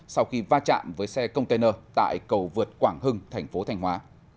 sau khi va chạm với xe container tại cầu vượt quảng hưng tp thanh hóa